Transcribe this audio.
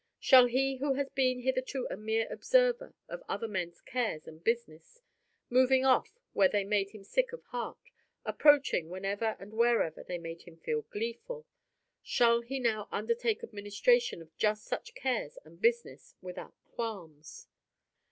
Shall he who has been hitherto a mere observer of other men's cares and business moving off where they made him sick of heart, approaching whenever and wherever they made him gleeful shall he now undertake administration of just such cares and business, without qualms?